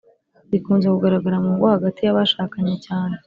rikunze kugaragara mu ngo hagati y’abashakanye cyane